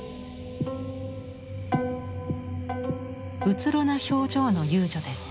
うつろな表情の遊女です。